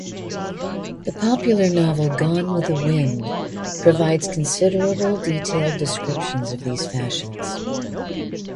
The popular novel "Gone with the Wind" provides considerable, detailed descriptions of these fashions.